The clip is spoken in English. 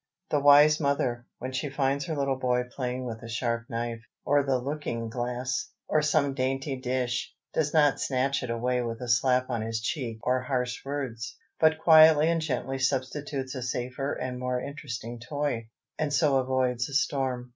The wise mother, when she finds her little boy playing with a sharp knife, or the looking glass, or some dainty dish, does not snatch it away with a slap on his cheek or harsh words, but quietly and gently substitutes a safer and more interesting toy, and so avoids a storm.